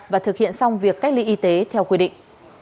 và thực hiện xong việc cách ly y tế theo quy định